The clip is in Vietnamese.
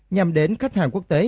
nhằm đến khách hàng quốc tế